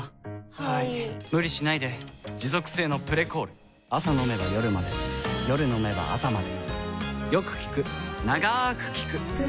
はい・・・無理しないで持続性の「プレコール」朝飲めば夜まで夜飲めば朝まで